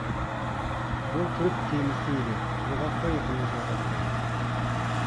بۇ تۈرك كېمىسى ئىدى، قىرغاققا يېقىنلىشىۋاتاتتى.